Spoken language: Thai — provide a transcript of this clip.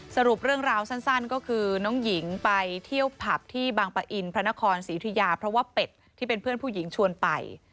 สรุปเรื่องราวสั้นก็คือน้องหญิงไปเที่ยวผับที่บางปะอินพระนครศรีอุทิยาเพราะว่าเป็ดที่เป็นเพื่อนผู้หญิงชวนไป